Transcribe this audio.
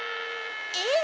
・えっ？